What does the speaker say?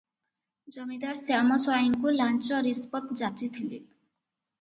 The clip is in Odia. ଜମିଦାର ଶ୍ୟାମ ସ୍ୱାଇଁଙ୍କୁ ଲାଞ୍ଚ ରିସପତ୍ ଯାଚିଥିଲେ ।